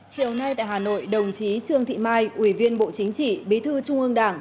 chiều nay tại hà nội đồng chí trương thị mai ủy viên bộ chính trị bí thư trung ương đảng